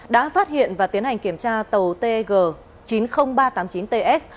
đã phát hiện và tiến hành kiểm tra tàu tg chín mươi nghìn ba trăm tám mươi chín ts